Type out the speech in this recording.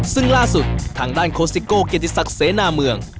ซึ่งล่าสุดทางด้านโคสิโก้เกียรติศักดิ์เสนาเมือง